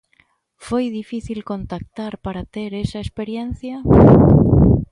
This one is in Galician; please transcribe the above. Foi difícil contactar para ter esa experiencia?